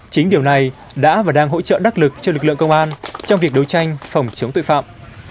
chính điều này đã và đang hỗ trợ đắc lực cho lực lượng công an trong việc đấu tranh phòng chống tội phạm